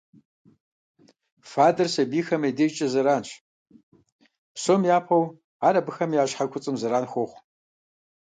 Фадэр сабийхэм я дежкӀэ зэранщ, псом япэу ар абыхэм я щхьэ куцӀым зэран хуохъу.